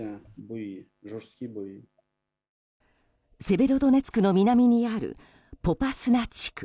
セベロドネツクの南にあるポパスナ地区。